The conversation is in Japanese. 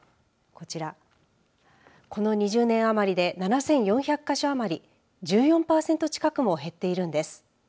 ここ２０年余り７４００か所余り１４パーセント近くも減っているんです。